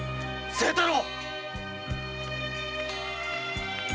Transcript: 清太郎。